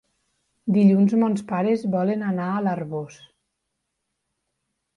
Dilluns mons pares volen anar a l'Arboç.